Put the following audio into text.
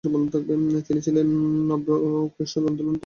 তিনি ছিলেন নব্যবৈষ্ণব আন্দোলনের প্রধান ব্যক্তিত্ব।